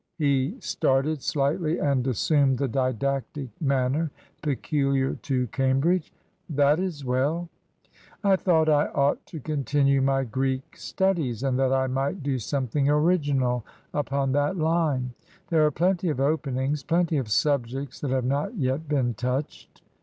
He started slightly and assumed the didactic manner peculiar to Cambridge. "That is well." " I thought I ought to continue my Greek studies, and that I might do something original upon that line. There are plenty of openings, plenty of subjects that have not yet been touched."